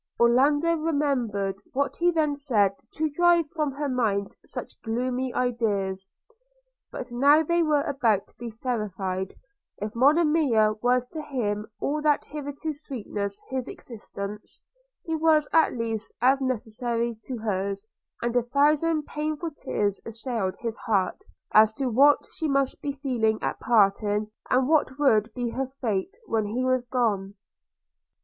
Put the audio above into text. Orlando remembered what he then said to drive from her mind such gloomy ideas; but now they were about to be verified. If Monimia was to him all that hitherto sweetened his existence, he was at least as necessary to hers; and a thousand painful fears assailed his heart, as to what she must feel at parting, and what would be her fate when he was gone.